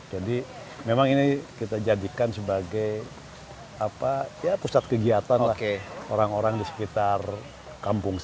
jadi memang ini kita jadikan sebagai pusat kegiatan orang orang di sekitar kampung